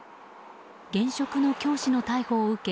現職の教師の逮捕を受け